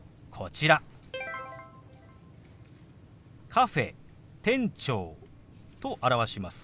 「カフェ」「店長」と表します。